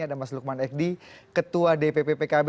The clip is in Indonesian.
ada mas lukman ekdi ketua dpp pkb